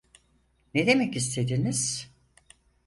Ne demek istediniz?